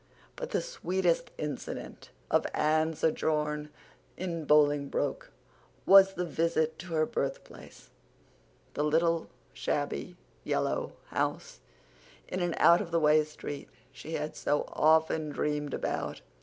But the sweetest incident of Anne's sojourn in Bolingbroke was the visit to her birthplace—the little shabby yellow house in an out of the way street she had so often dreamed about.